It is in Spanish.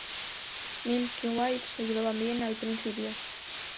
Milk y White se llevaban bien al principio.